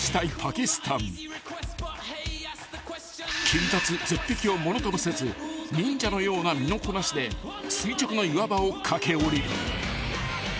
［切り立つ絶壁を物ともせず忍者のような身のこなしで垂直の岩場を駆け降りる］